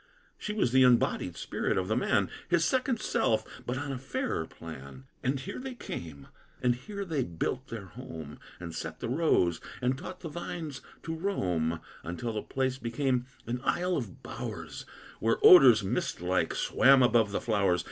She was the embodied spirit of the man, His second self, but on a fairer plan. And here they came, and here they built their home, And set the rose and taught the vines to roam, Until the place became an isle of bowers, Where odors, mist like, swam above the flowers.